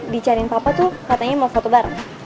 di cari papa tuh katanya mau foto bareng